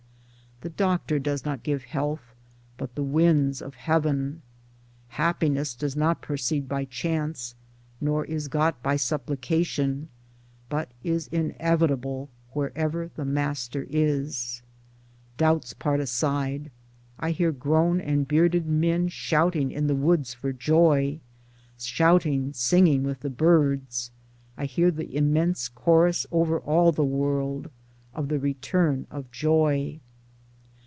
94 Towards Democracy The doctor does not give Health, but the winds of heaven ; Happiness does not proceed by chance, nor is got by supplication, but is inevitable wherever the Master is. Doubt parts aside. I hear grown and bearded men shouting in the woods for joy, shouting singing with the birds ; I hear the immense chorus over all the world, of the Return to Joy.